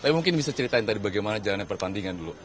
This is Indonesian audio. tapi mungkin bisa ceritain tadi bagaimana jalannya pertandingan dulu